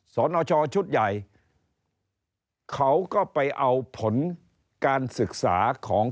สนชชุดใหญ่เขาก็ไปเอาผลการศึกษาของ